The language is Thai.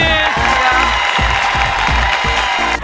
ขอบคุณครับ